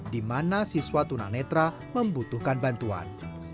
di mana siswa tuna netra membutuhkan bantuan